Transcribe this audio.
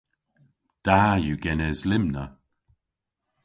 Da yw genes lymna.